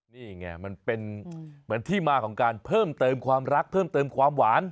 นี่ไงมันเป็นเหมือนที่มาของการเพิ่มเติมความรักเพิ่มเติมความหวาน